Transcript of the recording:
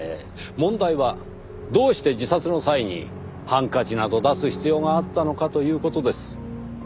問題はどうして自殺の際にハンカチなど出す必要があったのかという事です。